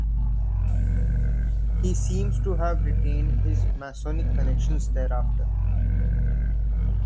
He seems to have retained his masonic connections thereafter.